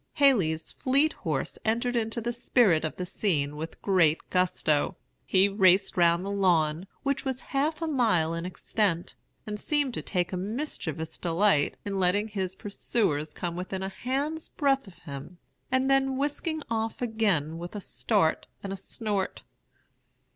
Haley's fleet horse entered into the spirit of the scene with great gusto. He raced round the lawn, which was half a mile in extent, and seemed to take a mischievous delight in letting his pursuers come within a hand's breadth of him, and then whisking off again with a start and a snort.